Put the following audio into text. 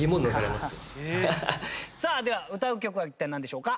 さあでは歌う曲は一体なんでしょうか？